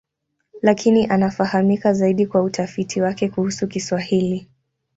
Lakini anafahamika zaidi kwa utafiti wake kuhusu Kiswahili.